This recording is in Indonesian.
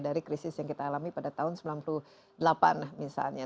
dari krisis yang kita alami pada tahun sembilan puluh delapan misalnya